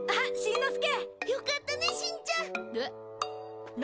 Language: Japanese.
良かったね、しんちゃん。